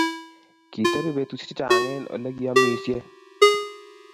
Kitebi betushiek chechang eng olegiamishen